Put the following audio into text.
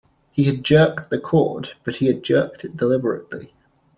He had jerked the cord, but he had jerked it deliberately.